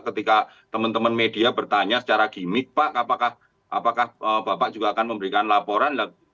ketika teman teman media bertanya secara gimmick pak apakah bapak juga akan memberikan laporan